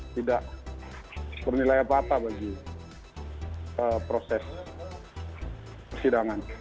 tidak bernilai apa apa bagi proses persidangan